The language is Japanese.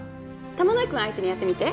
玉乃井くん相手にやってみて。